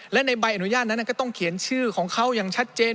และในใบอนุญาตนั้นก็ต้องเขียนชื่อของเขาอย่างชัดเจน